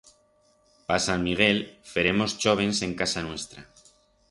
Pa sant Miguel feremos chóvens en casa nuestra.